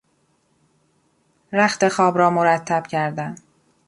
رختخواب را مرتب کردن